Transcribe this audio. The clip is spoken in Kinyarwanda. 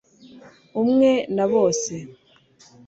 umwe na bose